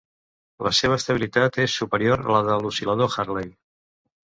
La seva estabilitat és superior a la de l'oscil·lador Hartley.